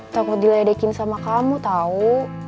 takut diledekin sama kamu tahu